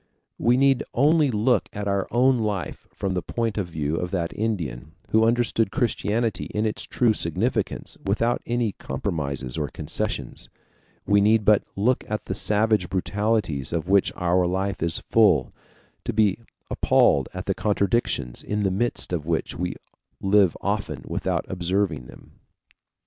We need only look at our life from the point of view of that Indian, who understood Christianity in its true significance, without any compromises or concessions, we need but look at the savage brutalities of which our life is full, to be appalled at the contradictions in the midst of which we live often without observing them.